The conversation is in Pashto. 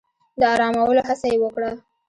د آرامولو هڅه يې وکړه.